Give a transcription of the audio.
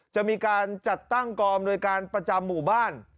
จะมีการจัดตั้งกองอำนวยการประจำหมู่บ้าน